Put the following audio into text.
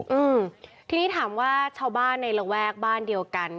อืมทีนี้ถามว่าชาวบ้านในระแวกบ้านเดียวกัน